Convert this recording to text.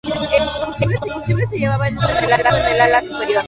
El combustible se llevaba en un depósito en el ala superior.